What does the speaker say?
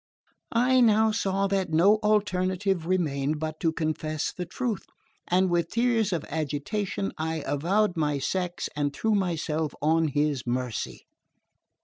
I now saw that no alternative remained but to confess the truth; and with tears of agitation I avowed my sex, and threw myself on his mercy.